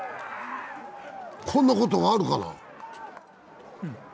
こんなことがあるかな？